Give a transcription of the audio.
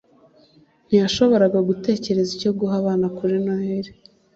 ntiyashoboraga gutekereza icyo guha abana kuri noheri